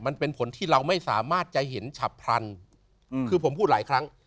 มันเป็นผลที่เราไม่สามารถจะเห็นฉับพลันคือผมพูดหลายครั้ง